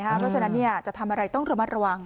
เพราะฉะนั้นจะทำอะไรต้องระมัดระวัง